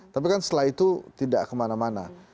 tapi kan setelah itu tidak kemana mana